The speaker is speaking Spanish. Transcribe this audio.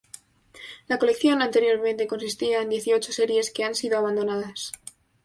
La colección anteriormente consistía en dieciocho series, que han sido abandonadas.